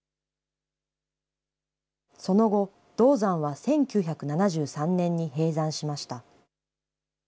その後、銅山は１９７３年に閉山しました。